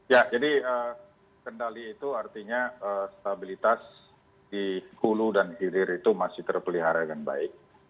ya jadi kendali itu artinya stabilitas di hulu dan hilir itu masih terpelihara dengan baik